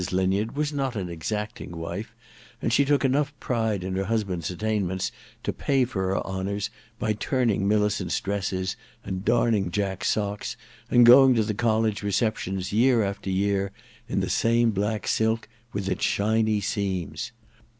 Linyard was not an exacting wife, and she took enough pride in her husband's attainments to pay for her honours by turning Millicent's dresses and darning Jack's socks and going to the College receptions year after year in the same black sUk with shiny seams.